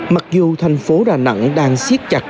mặc dù thành phố đà nẵng đang siết chặt